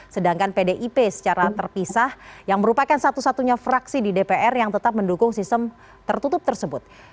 sedangkan pdip secara terpisah yang merupakan satu satunya fraksi di dpr yang tetap mendukung sistem tertutup tersebut